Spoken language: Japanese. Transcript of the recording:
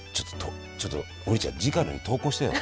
ちょっと王林ちゃん次回のに投稿してよ。